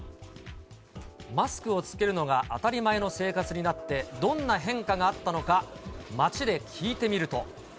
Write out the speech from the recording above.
マスクを着けるのが当たり前の生活になって、どんな変化があったのか、街で聞いてみると。